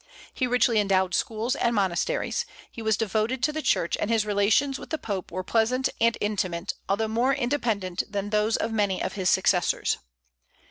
He richly endowed schools and monasteries. He was devoted to the Church, and his relations with the Pope were pleasant and intimate, although more independent than those of many of his successors.